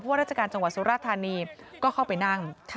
ราชการจังหวัดสุราธานีก็เข้าไปนั่ง